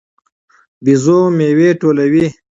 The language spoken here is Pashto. بيزو میوې ټولوي.